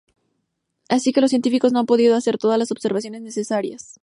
Así que los científicos no han podido hacer todas las observaciones necesarias.